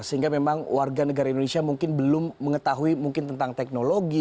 sehingga memang warga negara indonesia mungkin belum mengetahui mungkin tentang teknologi